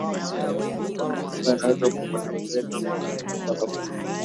umma inaweza kufanya kulevya au utegemezi suala kubwa